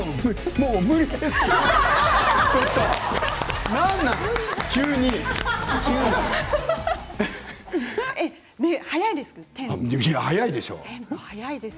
もう無理です。